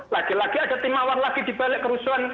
lagi lagi ada tim mawar lagi dibalik kerusuhan